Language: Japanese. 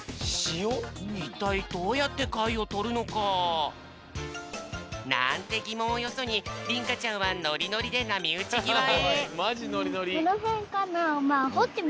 いったいどうやってかいをとるのか？なんてぎもんをよそにりんかちゃんはノリノリでなみうちぎわへ。